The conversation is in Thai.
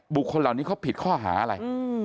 คนเหล่านี้เขาผิดข้อหาอะไร